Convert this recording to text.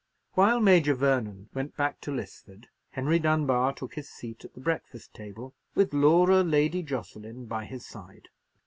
While Major Vernon went back to Lisford, Henry Dunbar took his seat at the breakfast table, with Laura Lady Jocelyn by his side.